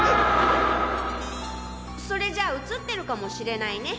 それじゃあ映ってるかもしれないね